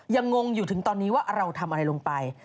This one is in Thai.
งงอยู่ถึงตอนนี้ว่าเราทำอะไรลงไป